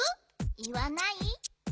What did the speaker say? いわない？